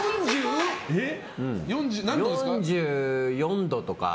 ４４度とか。